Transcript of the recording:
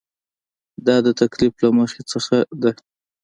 دا د تکلف له مخې نه ده.